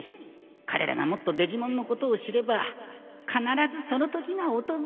彼らがもっとデジモンのことを知れば必ずその時が訪れる